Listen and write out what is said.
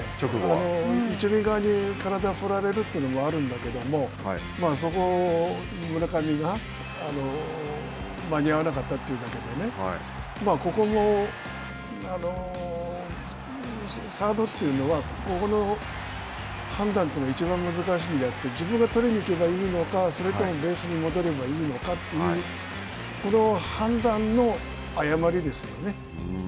一塁側に体が振られるというのはあるんだけど、そこを村上が間に合わなかったというだけでね、ここもサードというのはここの判断というのがいちばん難しいんであって、自分が捕りに行けばいいのか、それともベースに戻ればいいのかというこの判断の誤りですよね。